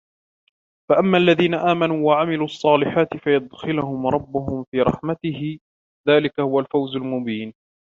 فأما الذين آمنوا وعملوا الصالحات فيدخلهم ربهم في رحمته ذلك هو الفوز المبين